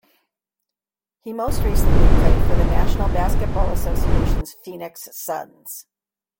He most recently played for the National Basketball Association's Phoenix Suns.